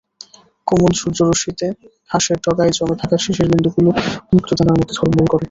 কোমল সূর্যরশ্মিতে ঘাসের ডগায় জমে থাকা শিশিরবিন্দুগুলো মুক্তোদানার মতো ঝলমল করে।